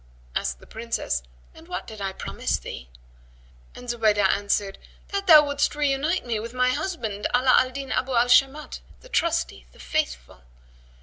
Asked the Princess, "And what did I promise thee?"; and Zubaydah answered, "That thou wouldst reunite me with my husband Ala al Din Abu al Shamat, the Trusty, the Faithful."